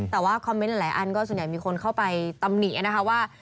แต่ว่าคอมเมนต์หลายอันก็ส่วนใหญ่มีคนเข้าไปตำหนินะคะว่า